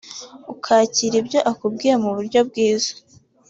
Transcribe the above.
ukakira ibyo akubwiye mu buryo bwiza